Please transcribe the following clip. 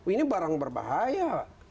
ini barang berbahaya